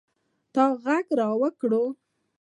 تا ږغ را وکړئ.